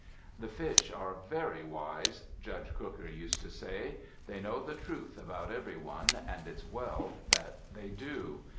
"The fish are very wise," Judge Crooker used to say. "They know the truth about every one and it's well that they do.